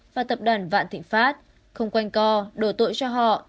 và tập đoàn vạn thịnh pháp không quanh co đổ tội cho họ